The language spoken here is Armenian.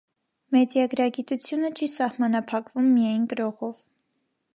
Մեդիագրագիտությունը չի սահմանափակվում միայն կրողով։